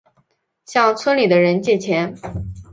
向村里的人借钱